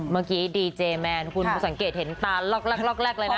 เมื่อกี้ดีเจแมนคุณสังเกตเห็นตาล็อกแรกเลยนะ